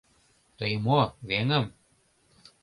— Тый мо, веҥым?